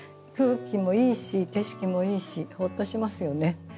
空気もいいし景色もいいしホッとしますよね。